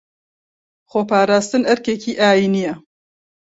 خۆپاراستن ئەرکێکی ئاینییە